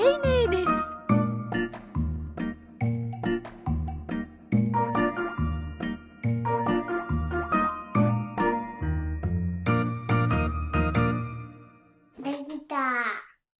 できた！